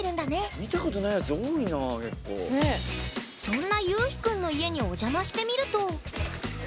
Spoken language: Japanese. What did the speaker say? そんなゆうひくんの家にお邪魔してみると。